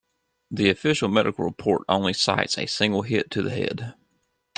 The official medical report only cites a single hit to the head.